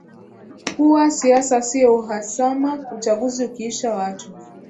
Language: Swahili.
kuwa siasa siyo uhasama Uchaguzi ukiisha watu